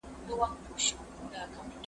يو د بل حقوق باید له پامه ونه غورځول سي.